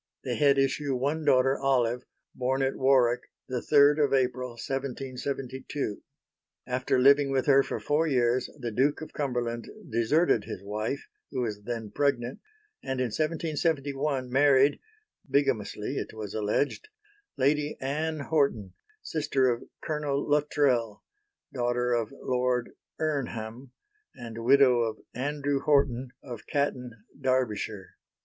They had issue one daughter, Olive, born at Warwick 3 April 1772. After living with her for four years the Duke of Cumberland deserted his wife, who was then pregnant, and in 1771 married bigamously, it was alleged Lady Anne Horton, sister of Colonel Luttrell, daughter of Lord Irnham, and widow of Andrew Horton of Catton, Derbyshire.